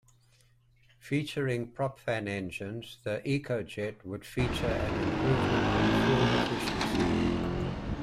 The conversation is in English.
Featuring propfan engines, the EcoJet would feature an improvement in fuel efficiency.